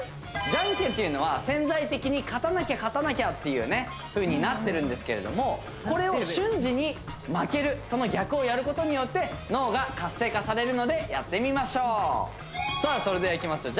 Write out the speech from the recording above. ジャンケンっていうのは潜在的に勝たなきゃ勝たなきゃっていうふうになってるんですけれどもこれを瞬時に負けるその逆をやることによって脳が活性化されるのでやってみましょうさあそれではいきますよ